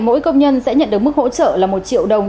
mỗi công nhân sẽ nhận được mức hỗ trợ là một triệu đồng